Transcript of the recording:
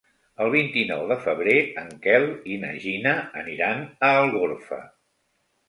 El vint-i-nou de febrer en Quel i na Gina aniran a Algorfa.